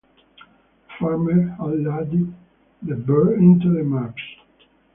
The farmer had ladled the beer into the mugs.